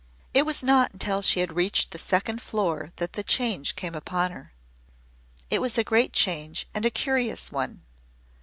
It was not until she had reached the second floor that the change came upon her. It was a great change and a curious one.